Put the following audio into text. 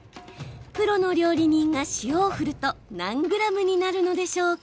プロの料理人が塩を振ると何ｇになるのでしょうか？